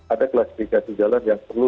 ada klasifikasi jalan yang perlu